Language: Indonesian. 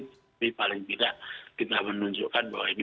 tapi paling tidak kita menunjukkan bahwa ini